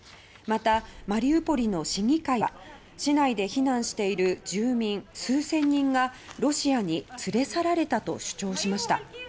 また、マリウポリの市議会は市内で避難している住民数千人がロシアに連れ去られたと主張しました。